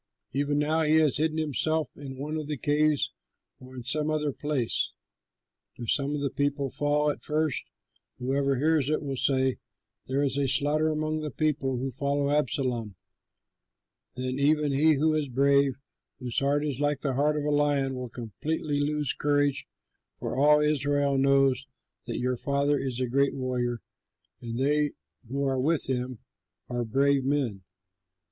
Even now he has hidden himself in one of the caves or in some other place. If some of the people fall at first, whoever hears it will say, 'There is a slaughter among the people who follow Absalom.' Then even he who is brave, whose heart is like the heart of a lion, will completely lose courage; for all Israel knows that your father is a great warrior, and they who are with him are brave men.